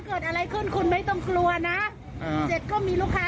เฮียไบ๊ก็บอกว่าเดี๋ยวดูให้